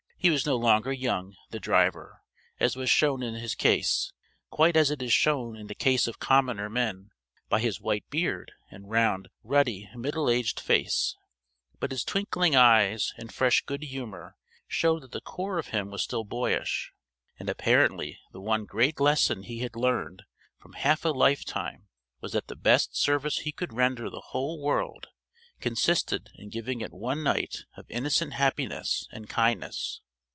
He was no longer young, the driver, as was shown in his case, quite as it is shown in the case of commoner men, by his white beard and round ruddy middle aged face; but his twinkling eyes and fresh good humor showed that the core of him was still boyish; and apparently the one great lesson he had learned from half a lifetime was that the best service he could render the whole world consisted in giving it one night of innocent happiness and kindness.